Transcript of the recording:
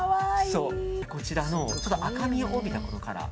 こちらの赤みを帯びたこのカラー。